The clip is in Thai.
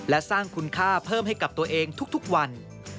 และสร้างคุณค่าเพิ่มให้กับตัวเองทุกวัน